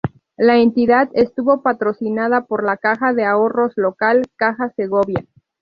La entidad estuvo patrocinada por la caja de ahorros local, Caja Segovia.